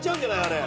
あれ。